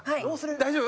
大丈夫？